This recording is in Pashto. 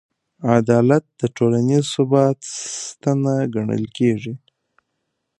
عدالت د ټولنیز ثبات ستنه ګڼل کېږي.